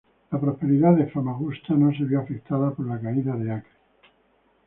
La prosperidad de Famagusta no se vio afectada por la caída de Acre.